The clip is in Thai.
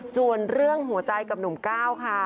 ส่วนเรื่องหัวใจกับหนุ่มก้าวค่ะ